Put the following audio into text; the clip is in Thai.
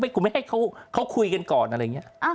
กูไม่ให้เขาคุยกันก่อนอะไรอย่างนี้